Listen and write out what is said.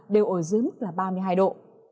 đều ổi dưới mức là ba mươi hai độ